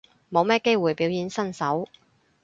冇乜機會表演身手